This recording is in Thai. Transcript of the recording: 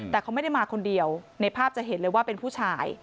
แต่เขาไม่ได้มาคนเดียวในภาพจะเห็นเลยว่าเป็นผู้ชาย